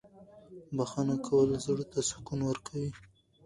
بښنه کول زړه ته سکون ورکوي.